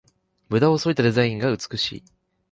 ムダをそいだデザインが美しい